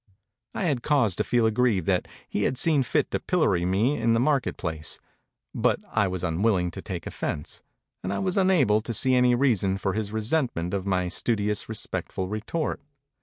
I had cause to feel aggrieved that he had seen fit to pillory me in the market place; but I was unwilling to take offence; and I was unable to see any reason for his resentment of my studi 258 MEMORIES OF MARK TWAIN ously respectful retort.